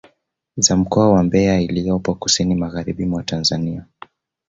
Za mkoa wa Mbeya iliyopo kusini magharibi mwa Tanzania